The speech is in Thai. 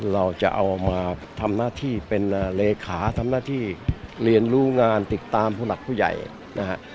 เราจะเอามาทำหน้าที่เป็นเลขาทำหน้าที่เรียนรู้งานติดตามผู้หลักผู้ใหญ่นะฮะ